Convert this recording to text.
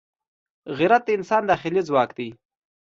غیرت د انسان داخلي ځواک دی